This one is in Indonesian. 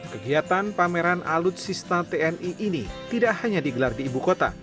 kegiatan pameran alutsista tni ini tidak hanya digelar di ibu kota